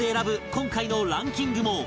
今回のランキングも